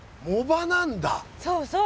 そうそう。